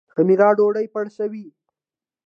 خمیره ډوډۍ پړسوي